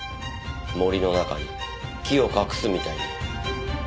森の中に木を隠すみたいに。